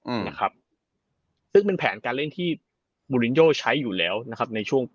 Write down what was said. อืมนะครับซึ่งเป็นแผนการเล่นที่บูรินโยใช้อยู่แล้วนะครับในช่วง